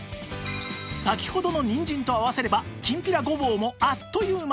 先ほどのにんじんと合わせればきんぴらごぼうもあっという間